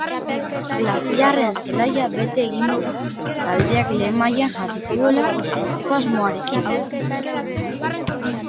Galiziarren zelaia bete egingo da, taldeak lehen mailan jarriko duela ospatzeko asmoarekin.